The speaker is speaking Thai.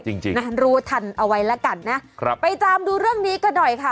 จริงจริงนะรู้ทันเอาไว้แล้วกันนะครับไปตามดูเรื่องนี้กันหน่อยค่ะ